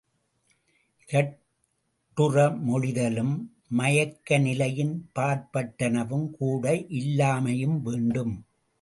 இரட்டுற மொழிதலும், மயக்க நிலையின் பாற்பட்டனவும் கூட இல்லாமையும் வேண்டும்.